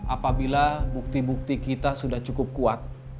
apabila bukti bukti kita sudah cukup kuat